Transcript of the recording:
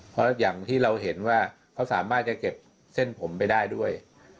เพราะอย่างที่เราเห็นว่าเขาสามารถจะเก็บเส้นผมไปได้ด้วย